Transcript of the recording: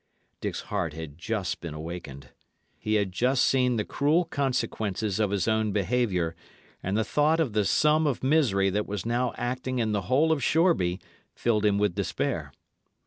Dick's heart had just been awakened. He had just seen the cruel consequences of his own behaviour; and the thought of the sum of misery that was now acting in the whole of Shoreby filled him with despair.